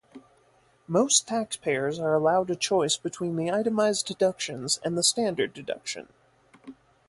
Most taxpayers are allowed a choice between the itemized deductions and the standard deduction.